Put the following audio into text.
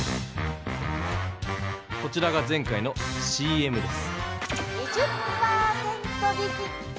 こちらが前回のＣＭです。